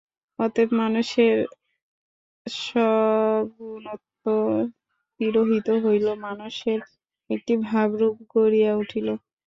অতএব মানুষের সগুণত্বও তিরোহিত হইল, মানুষেরও একটি ভাবরূপ গড়িয়া উঠিল।